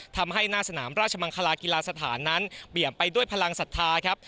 ทำให้หน้าสนามราชมังคลากีฬาสถานนั้นเบี่ยมไปด้วยพลังศรัทธาครับ